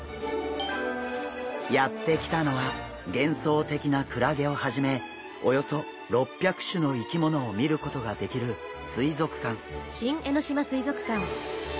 やって来たのは幻想的なクラゲをはじめおよそ６００種の生き物を見ることができる水族館。